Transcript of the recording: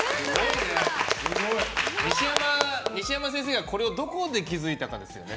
西山先生がどこで気づいたかですよね。